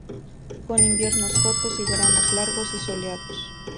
Con inviernos cortos y veranos largos y soleados.